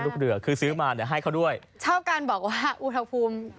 ลูกเรือคือซื้อมาหรือให้เขาด้วยเขาการบอกว่าอุทาพภูมิ